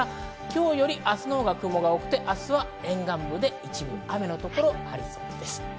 明日のほうが雲が多く、沿岸部で一部雨の所がありそうです。